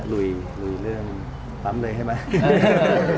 ลุยเรื่องปั๊มเลยใช่ไหม